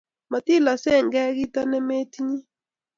Matiloskeichi gei kito ne metinye